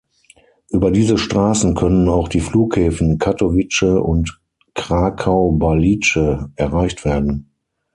Über diese Straßen können auch die Flughäfen Katowice und Krakau-Balice erreicht werden.